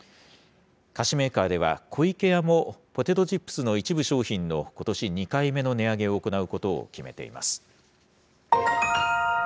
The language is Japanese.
菓子メーカーでは、湖池屋もポテトチップスの一部商品の、ことし２回目の値上げを行うことを決めています。